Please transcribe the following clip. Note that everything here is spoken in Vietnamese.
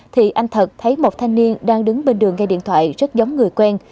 thì anh thật thấy một thanh niên đang đứng bên đường nghe điện thoại rất giống người quen